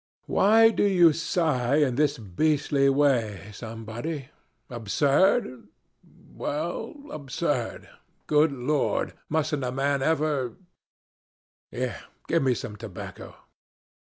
... Why do you sigh in this beastly way, somebody? Absurd? Well, absurd. Good Lord! mustn't a man ever Here, give me some tobacco."